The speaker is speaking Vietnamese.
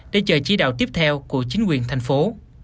để chờ chỉ đạo tiếp theo của chính quyền thành phố